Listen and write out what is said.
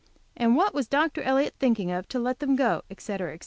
and what was Dr. Elliott thinking of to let them go, etc, etc.